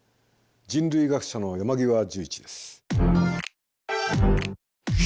人類学者の山極壽一です。